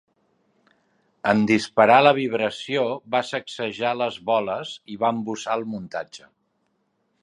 En disparar la vibració va sacsejar les boles, i va embussar el muntatge.